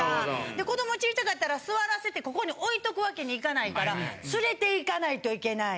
で子どもちいちゃかったら座らせてここに置いとくわけにいかないから連れて行かないといけない。